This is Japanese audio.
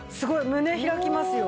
胸開きますよ。